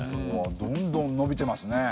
どんどんのびてますね。